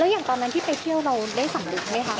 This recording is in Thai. อย่างตอนนั้นที่ไปเที่ยวเราได้สำนึกไหมคะ